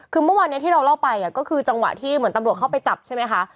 คือเมื่อวานนี้ที่เราเล่าไปก็คือจังหวะที่เหมือนตำรวจเข้าไปจับใช่ไหมคะ